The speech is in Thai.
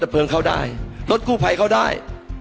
ลดระเผิงเข้าได้ลดคู่ภัยเข้าได้